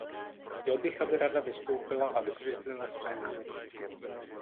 Chtěl bych, aby Rada vystoupila a vysvětlila své námitky.